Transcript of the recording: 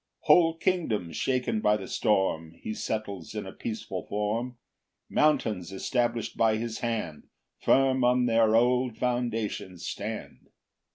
5 Whole kingdoms shaken by the storm He settles in a peaceful form; Mountains establish'd by his hand, Firm on their old foundations stand.